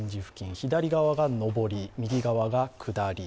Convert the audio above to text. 左側が上り、右側が下り。